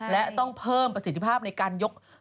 และต้องเพิ่มประสิทธิภาพในการยก